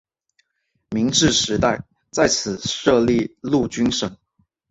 明治时代在此设立陆军省。